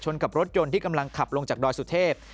กับรถยนต์ที่กำลังขับลงจากดอยสุเทพ